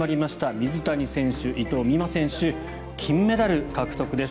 水谷選手、伊藤美誠選手金メダル獲得です。